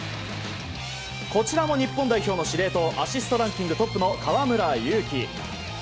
こちらも日本代表の司令塔アシストランキングトップの河村勇輝。